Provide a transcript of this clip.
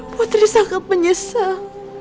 putri sangat menyesal